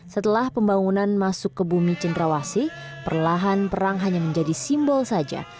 setelah pembangunan masuk ke bumi cenderawasi perlahan perang hanya menjadi simbol saja